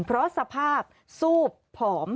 เพราะสภาพซูบผอม